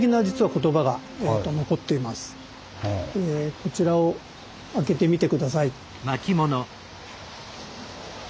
こちらを開けてみて下さい。